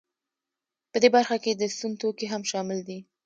په دې برخه کې د سون توکي هم شامل دي